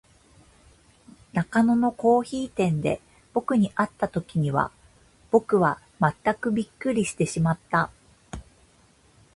中野のコオヒイ店で、ぼくに会った時には、ぼくはまったくびっくりしてしまった。